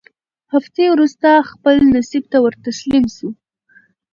هفتې وورسته خپل نصیب ته ورتسلیم سو